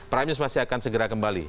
prime news masih akan segera kembali